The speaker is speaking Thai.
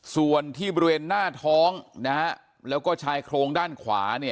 ส่วนที่บริเวณหน้าท้องแล้วก็ชายโครงด้านขวา